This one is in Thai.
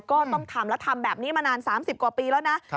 ก็ต้องทำแล้วทำแบบนี้มานาน๓๐กว่าปีแล้วนะ